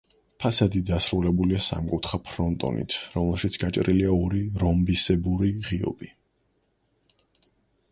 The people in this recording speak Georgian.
ფასადი დასრულებულია სამკუთხა ფრონტონით, რომელშიც გაჭრილია ორი რომბისებური ღიობი.